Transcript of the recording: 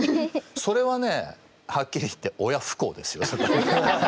それはねはっきり言って親不孝ですよ。